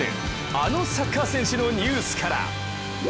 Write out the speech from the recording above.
あのサッカー選手のニュースから。